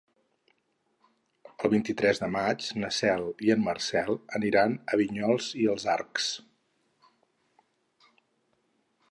El vint-i-tres de maig na Cel i en Marcel aniran a Vinyols i els Arcs.